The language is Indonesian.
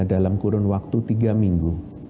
dalam kurun waktu tiga minggu